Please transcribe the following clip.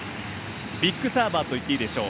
ビッグサーバーといっていいでしょう。